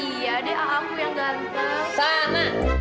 iya deh aku yang ganteng